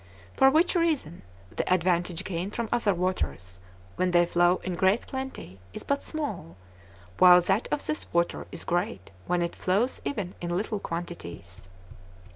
For which reason, the advantage gained from other waters, when they flow in great plenty, is but small, while that of this water is great when it flows even in little quantities.